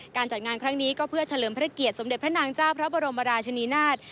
การจัดงานครั้งนี้ก็เพื่อเฉลิมพระเกียรติสมเด็จพระนางเจ้าพระบรมราชนีนาฏ